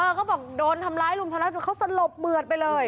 เออเขาบอกโดนทำร้ายรุมทำลักษณ์ตาเขาสะลบเปลือดไปเลย